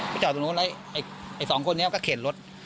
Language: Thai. จอดตรงนู้นแล้วไอ้สองคนนี้ก็เข็นรถ